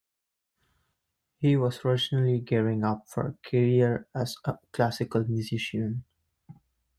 He was originally gearing up for a career as a classical musician.